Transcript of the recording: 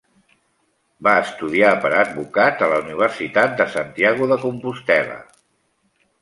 Va estudiar per advocat a la Universitat de Santiago de Compostel·la.